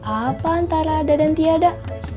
apa antara ada dan tiada